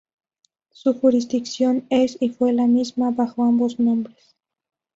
Su jurisdicción es y fue la misma bajo ambos nombres.